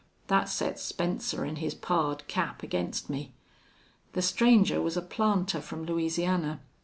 That set Spencer an' his pard Cap against me. The stranger was a planter from Louisiana.